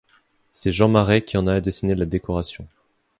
C'est Jean Marais qui en a dessiné la décoration.